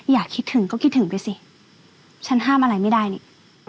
อยากคิดถึงก็คิดถึงไปสิฉันห้ามอะไรไม่ได้นี่